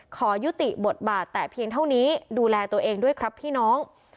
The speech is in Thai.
ขอยุติบทบาทแต่เพียงเท่านี้ดูแลตัวเองด้วยครับพี่น้อง